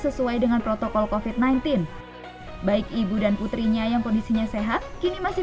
sesuai dengan protokol kofit sembilan belas baik ibu dan putrinya yang kondisinya sehat kini masih